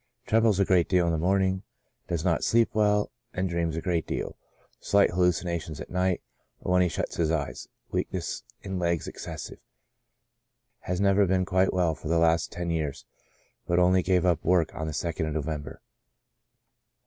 Trembles a great deal in the morning ; does not sleep well, and dreams a great deal ; slight hallu cinations at night, or when he shuts his eyes ; weakness in legs excessive. Has never been quite well for the last ten years, but only gave up work on the 2nd of November.